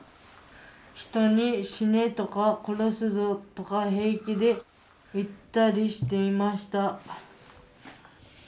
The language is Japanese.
人に『死ね』とか『殺すぞ』とかへいきで言ったりしていました」。